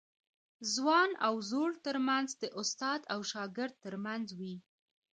ځوان او زوړ ترمنځ د استاد او شاګرد ترمنځ وي.